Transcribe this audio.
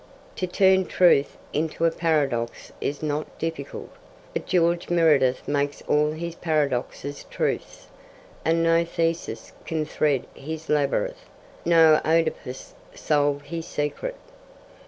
To turn truth into a paradox is not difficult, but George Meredith makes all his paradoxes truths, and no Theseus can thread his labyrinth, no OEdipus solve his secret.